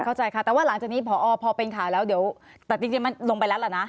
เข้าใจค่ะแต่ว่าหลังจากนี้พอพอเป็นข่าวแล้วเดี๋ยวแต่จริงมันลงไปแล้วล่ะนะ